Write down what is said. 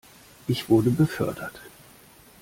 Ich wurde befördert.